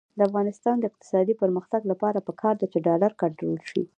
د افغانستان د اقتصادي پرمختګ لپاره پکار ده چې ډالر کنټرول شي.